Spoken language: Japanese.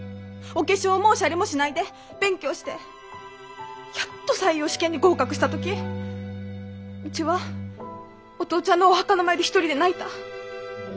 お化粧もおしゃれもしないで勉強してやっと採用試験に合格した時うちはお父ちゃんのお墓の前で１人で泣いた。